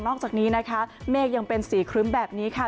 อกจากนี้นะคะเมฆยังเป็นสีครึ้มแบบนี้ค่ะ